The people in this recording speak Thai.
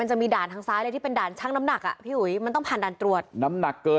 มันจะมีด่านทางซ้ายเลยที่เป็นด่านช่างน้ำหนัก